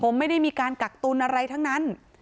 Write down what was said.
ผมไม่ได้มีการกักตุนอะไรทั้งนั้น